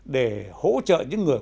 để hỗ trợ những người